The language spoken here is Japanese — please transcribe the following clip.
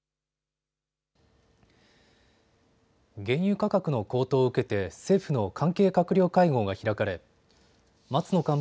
原油価格の高騰を受けて政府の関係閣僚会合が開かれ松野